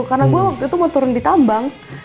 karena gue waktu itu mau turun di tambang